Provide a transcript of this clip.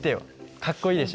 かっこいいでしょ。